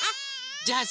じゃあさ